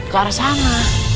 ke arah sana